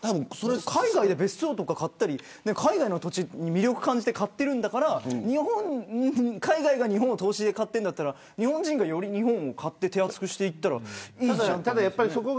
海外で別荘とか買ったり海外の土地に魅力感じて買ってるんだから海外の方が土地を買ってるんだったら日本人がより、日本を買って手厚くすればいいと思うんですけどね。